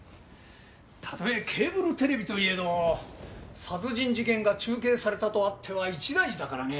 たとえケーブルテレビといえども殺人事件が中継されたとあっては一大事だからねえ。